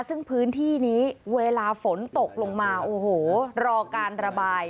ซึ่งพื้นที่นี้เวลาฝนตกลงมาโอ้โหรอการระบาย